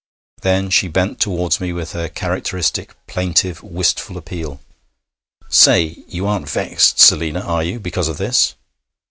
Then she bent towards me with her characteristic plaintive, wistful appeal. 'Say! You aren't vexed, Selina, are you, because of this?